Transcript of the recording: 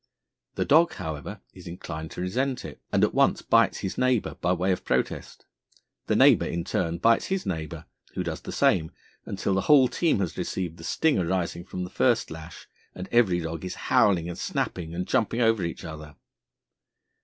The dog, however, is inclined to resent it, and at once bites his neighbour by way of protest. The neighbour in turn bites his neighbour, who does the same, until the whole team has received the sting arising from the first lash, and every dog is howling and snapping and jumping over each other.